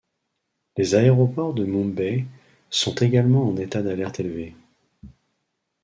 Les aéroports de Mumbai sont également en état d'alerte élevée.